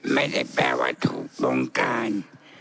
ไม่ได้แปลว่าถูกวงการ